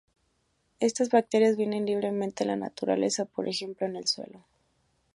Estas bacterias vienen libremente en la naturaleza, por ejemplo, en el suelo.